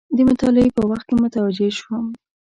د مطالعې په وخت کې متوجه شوم.